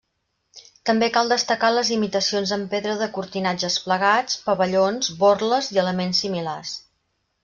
També cal destacar les imitacions en pedra de cortinatges plegats, pavellons, borles i elements similars.